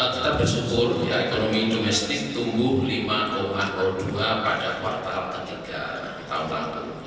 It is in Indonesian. kita bersyukur ekonomi domestik tumbuh lima dua pada kuartal ketiga tahun lalu